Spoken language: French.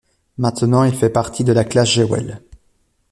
Maintenant, il fait partie de la classe Jewel.